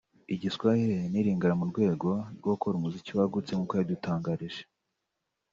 igiswahire n’iringara mu rwego rwo gukora umuziki wagutse nkuko yabidutangarije